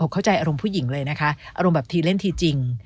เข้าใจอารมณ์ผู้หญิงเลยนะคะอารมณ์แบบทีเล่นทีจริง